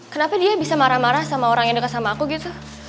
kenapa dia bisa marah marah sama orang yang dekat sama aku gitu